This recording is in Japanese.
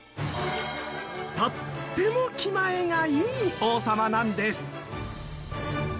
とても気前がいい王様なんです。